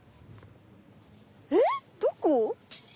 えっどこ？